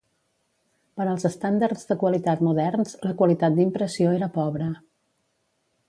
Per als estàndards de qualitat moderns, la qualitat d'impressió era pobre.